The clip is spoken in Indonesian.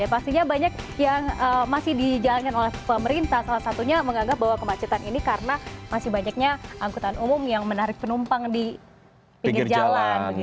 pastinya banyak yang masih dijalankan oleh pemerintah salah satunya menganggap bahwa kemacetan ini karena masih banyaknya angkutan umum yang menarik penumpang di pinggir jalan